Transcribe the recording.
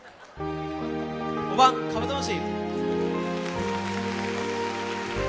５番「カブトムシ」。